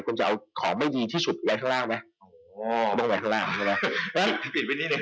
คุณจะเอาของไม่ดีที่สุดไว้ข้างล่างไหม